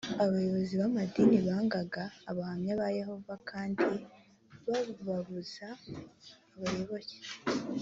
abayobozi b’amadini bangaga abahamya ba yehova kandi babuzaga abayoboke